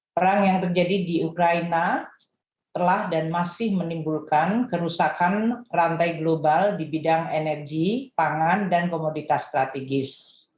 perang yang terjadi di ukraina telah dan masih menimbulkan kerusakan rantai global di bidang energi pangan dan komoditas strategis